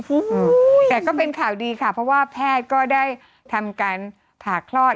โอ้โหแต่ก็เป็นข่าวดีค่ะเพราะว่าแพทย์ก็ได้ทำการผ่าคลอด